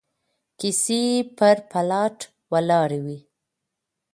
کيسې پر پلاټ ولاړې وي